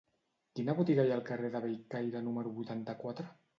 Quina botiga hi ha al carrer de Bellcaire número vuitanta-quatre?